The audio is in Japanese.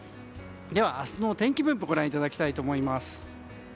では、明日の天気分布をご覧いただきたいと思います。